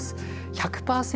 「１００％